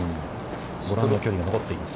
ご覧の距離が残っています。